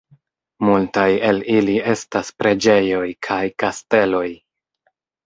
Multaj el ili estas preĝejoj kaj kasteloj.